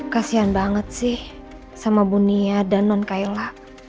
kasian banget sih sama bunia dan nonkaila